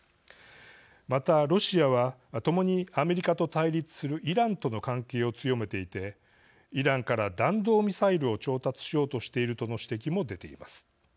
また、ロシアは共にアメリカと対立するイランとの関係を強めていてイランから弾道ミサイルを調達しようとしているとの指摘も出ています。